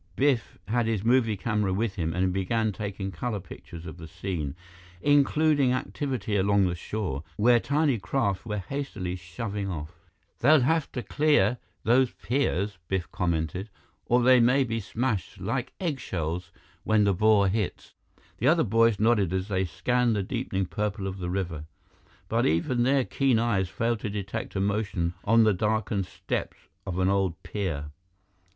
Biff had his movie camera with him and he began taking color pictures of the scene, including activity along the shore, where tiny craft were hastily shoving off. "They'll have to clear those piers," Biff commented, "or they may be smashed like eggshells when the bore hits." The other boys nodded as they scanned the deepening purple of the river. But even their keen eyes failed to detect a motion on the darkened steps of an old pier.